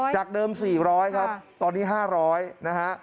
จากเดิม๔๐๐ครับตอนนี้๕๐๐นะฮะ